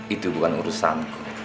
itu bukan urusanku